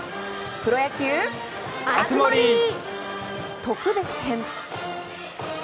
プロ野球熱盛特別編！